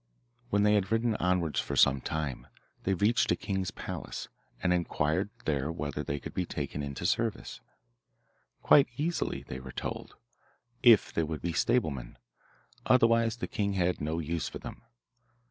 When they had ridden onwards for some time they reached a king's palace, and inquired there whether they could be taken into service. Quite easily, they were told, if they would be stablemen, otherwise the king had no use for them.